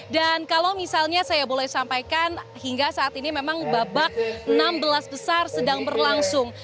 dan kalau misalnya saya boleh sampaikan hingga saat ini memang babak enam belas besar sedang berlangsung